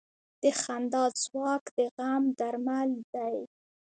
د خندا ځواک د غم درمل دی.